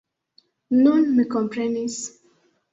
Nun, mi komprenis.